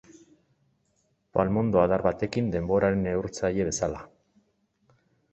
Palmondo adar batekin, denboraren neurtzaile bezala.